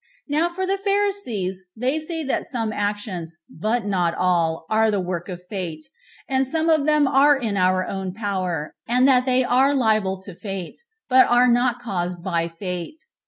Now for the Pharisees, 11 they say that some actions, but not all, are the work of fate, and some of them are in our own power, and that they are liable to fate, but are not caused by fate.